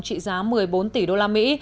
trị giá một mươi bốn tỷ đô la mỹ